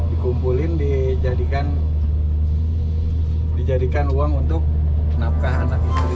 dikumpulin dijadikan uang untuk penapkahan